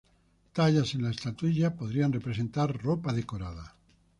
Tallas en la estatuilla podrían representar ropa decorada.